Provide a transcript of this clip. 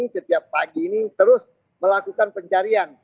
setiap pagi ini terus melakukan pencarian